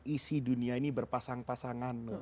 isi dunia ini berpasang pasangan